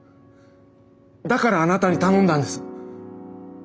だからあなたに頼んだんです！